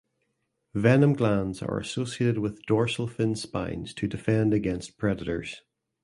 Venom glands are associated with dorsal fin spines to defend against predators.